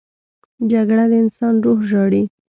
جګړه د انسان روح ژاړي